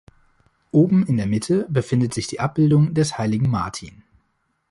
Oben in der Mitte befindet sich die Abbildung des heiligen Martin.